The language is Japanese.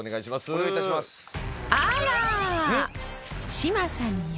お願いいたしますうん？